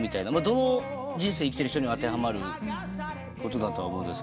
どの人生生きてる人にも当てはまることだと思うんですが。